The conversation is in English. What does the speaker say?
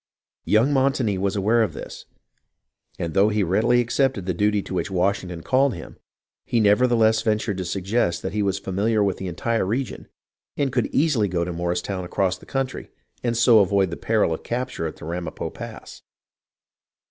Young Montagnie was aware of all this ; and though he readily accepted the duty to which Washington called him, he nevertheless ventured to suggest that he was familiar with the entire region, and could easily go to Morristown across the country, and so avoid the peril of capture at Ramapo Pass.